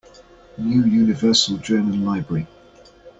New Universal German Library.